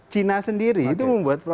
cina sendiri itu membuat